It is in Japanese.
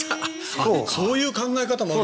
そういう考え方もある。